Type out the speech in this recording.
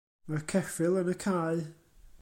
Mae'r ceffyl yn y cae.